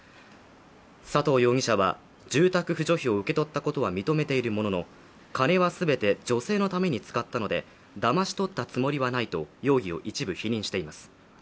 佐藤容疑者は住宅扶助費を受け取ったことは認めているものの金は全て女性のために使ったのでだまし取ったつもりはないと容疑を一部否認しています。